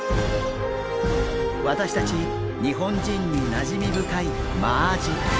私たち日本人になじみ深いマアジ。